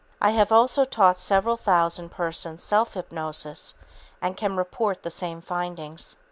I have also taught several thousand persons self hypnosis and can report the same findings.